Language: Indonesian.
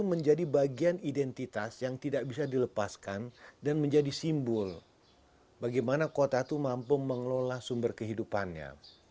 menjadi bagian identitas yang tidak bisa dilepaskan dan menjadi simbol bagaimana kota itu mampu mengelola sumber kehidupannya